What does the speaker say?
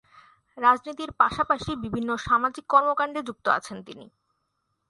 রাজনীতির পাশাপাশি বিভিন্ন সামাজিক কর্মকাণ্ডে যুক্ত আছেন তিনি।